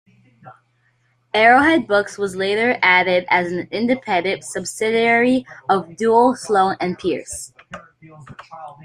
Arrowhead Books was later added as an independent subsidiary of Duell, Sloan and Pearce.